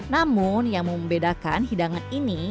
namun yang membedakan hidangan ini